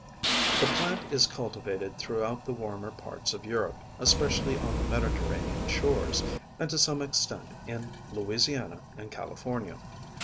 The plant is cultivated throughout the warmer parts of Europe, especially on the Mediterranean shores, and to some extent in Louisiana and California.